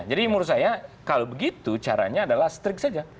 jadi menurut saya kalau begitu caranya adalah setrik saja